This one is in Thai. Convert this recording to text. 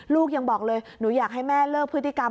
ลูกยังบอกเลยหนูอยากให้แม่เลิกพฤติกรรม